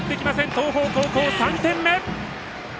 東邦高校、３点目！